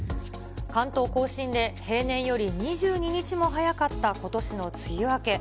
関東甲信で平年より２２日も早かったことしの梅雨明け。